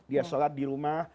dia sholat di rumah